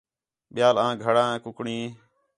ٻِیال آں گھݨیاں کُکڑیں